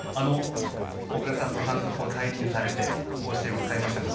小倉さんも監督を退任されて甲子園をつかみましたが。